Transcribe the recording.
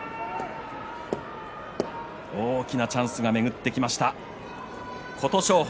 大きなチャンスが巡ってきました琴勝峰。